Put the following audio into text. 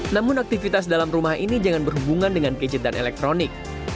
namun aktivitas dalam rumah ini jangan berhubungan dengan gadget dan elektronik